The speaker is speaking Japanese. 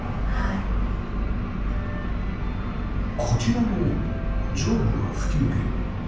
こちらも上部は吹き抜け